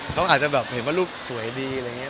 เขาอาจจะแบบเห็นว่ารูปสวยดีอะไรอย่างนี้